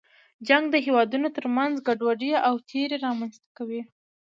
جنګ د هېوادونو تر منځ ګډوډي او تېرې رامنځته کوي.